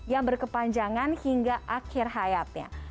yang berkepanjangan hingga akhir hayatnya